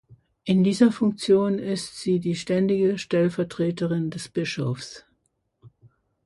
In dieser Funktion ist sie die ständige Stellvertreterin des Bischofs.